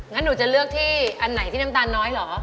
งั้นหนูจะเลือกที่อันไหนที่น้ำตาลน้อยเหรอ